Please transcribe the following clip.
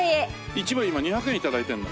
１枚今２００円頂いてるの。